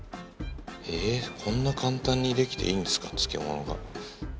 ええっこんな簡単にできていいんですか漬物が。